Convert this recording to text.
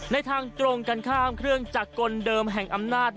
ในทางตรงกันข้ามเครื่องจักรกลเดิมแห่งอำนาจ